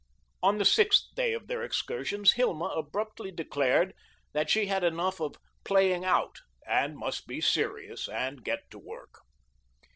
On the sixth day of their excursions, Hilma abruptly declared they had had enough of "playing out," and must be serious and get to work.